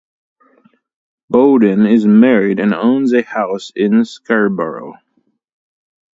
Boaden is married and owns a home in Scarborough.